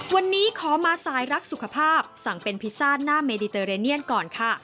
วันนี้ขอมาสายรักสุขภาพสั่งเป็นพิซซ่าหน้าเมดิเตอร์เรเนียนก่อนค่ะ